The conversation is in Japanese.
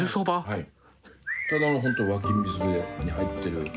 はい。